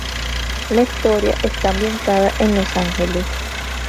La historia está ambientada en Los Ángeles.